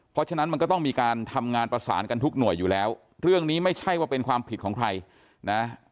เพราะฉะนั้นมันก็ต้องมีการทำงานประสานกันทุกหน่วยอยู่แล้วเรื่องนี้ไม่ใช่ว่าเป็นความผิดของใครนะ